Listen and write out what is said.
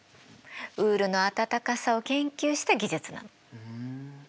ウールの暖かさを研究した技術なの。